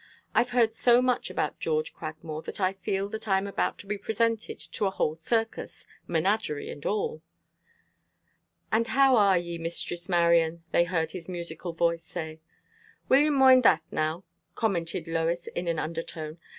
"I've heard so much about George Cragmore, that I feel that I am about to be presented to a whole circus menagerie and all." "And how are ye, Mistress Marion?" they heard his musical voice say. "Will ye moind that now," commented Lois in an undertone.